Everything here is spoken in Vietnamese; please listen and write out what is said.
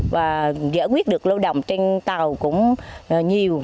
và giải quyết được lâu đồng trên tàu cũng nhiều